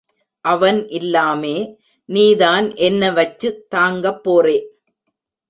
அவன் இல்லாமே நீதான் என்னெ வச்சுத் தாங்கப் போறே.